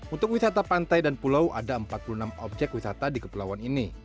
untuk wisata pantai dan pulau ada empat puluh enam objek wisata di kepulauan ini